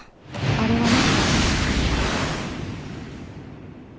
あれはね。